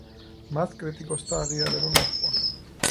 მას კრიტიკოსთა აღიარება მოჰყვა.